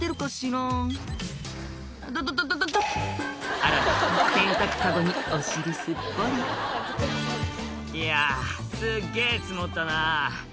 あらら洗濯かごにお尻すっぽり「いやすっげぇ積もったな」